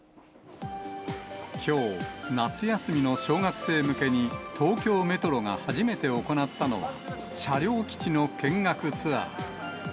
きょう、夏休みの小学生向けに、東京メトロが初めて行ったのが、車両基地の見学ツアー。